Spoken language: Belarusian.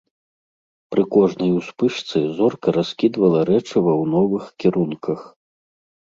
Пры кожнай успышцы зорка раскідвала рэчыва ў новых кірунках.